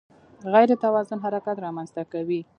غیر توازن حرکت رامنځته کوي.